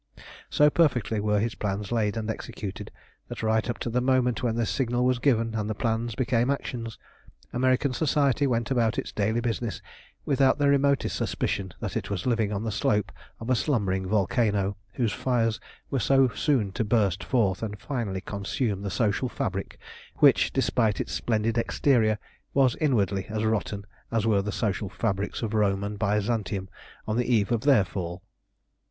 So perfectly were his plans laid and executed, that right up to the moment when the signal was given and the plans became actions, American society went about its daily business without the remotest suspicion that it was living on the slope of a slumbering volcano whose fires were so soon to burst forth and finally consume the social fabric which, despite its splendid exterior, was inwardly as rotten as were the social fabrics of Rome and Byzantium on the eve of their fall.